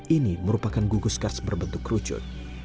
ini merupakan gugus kars berbentuk kerucut